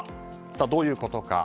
どういうことか。